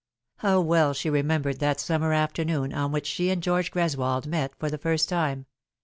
How well she remembered that summer afternoon on which Such Things Were. 67 she and George Greswold met for the first time